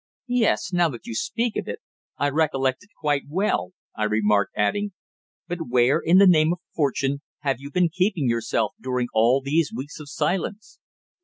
"Yes. Now that you speak of it, I recollect it quite well," I remarked, adding, "But where, in the name of Fortune, have you been keeping yourself during all these weeks of silence?"